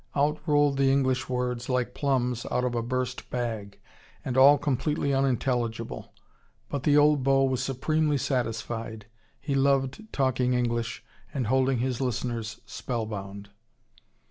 Out rolled the English words, like plums out of a burst bag, and all completely unintelligible. But the old beau was supremely satisfied. He loved talking English, and holding his listeners spell bound.